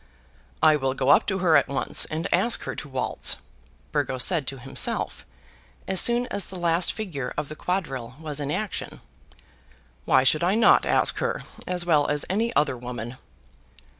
"I will go up to her at once, and ask her to waltz," Burgo said to himself, as soon as the last figure of the quadrille was in action. "Why should I not ask her as well as any other woman?"